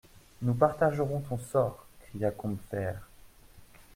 Nous partagerons ton sort, cria Combeferre.